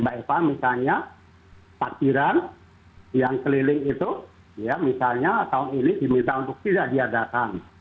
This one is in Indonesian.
bagaimana kemudian memastikan